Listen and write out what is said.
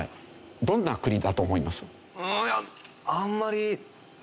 どんな国だと思います？